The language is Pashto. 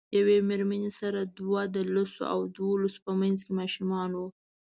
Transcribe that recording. یوې میرمنې سره دوه د لسو او دولسو په منځ ماشومان وو.